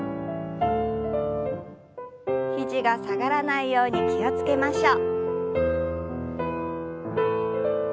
肘が下がらないように気を付けましょう。